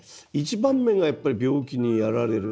１番目がやっぱり病気にやられる。